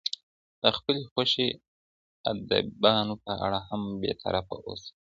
د خپلې خوښې ادیبانو په اړه هم بې طرفه اوسئ.